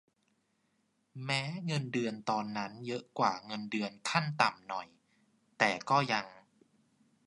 แม้เงินเดือนตอนนั้นเยอะกว่าเงินเดือนขั้นต่ำหน่อยแต่ก็ยัง